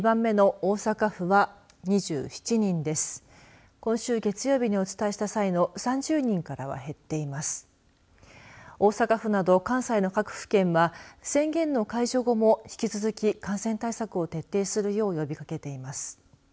大阪府など関西の各府県は宣言の解除後も引き続き感染対策を徹底するよう呼びかけています。